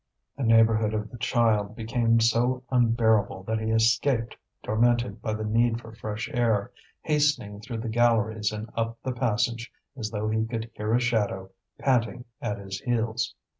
The neighbourhood of the child became so unbearable that he escaped, tormented by the need for fresh air, hastening through the galleries and up the passage, as though he could hear a shadow, panting, at his heels.